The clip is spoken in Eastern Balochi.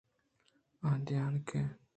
آدینک